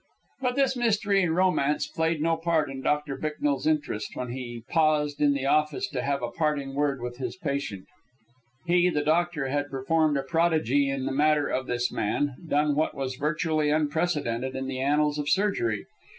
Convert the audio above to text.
But this mystery and romance played no part in Doctor Bicknell's interest when he paused in the office to have a parting word with his patient. He, the Doctor, had performed a prodigy in the matter of this man, done what was virtually unprecedented in the annals of surgery.